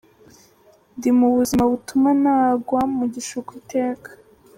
Ndi mu buzima butuma nagwa mu gishuko iteka.